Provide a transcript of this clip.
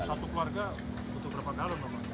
satu keluarga butuh berapa galung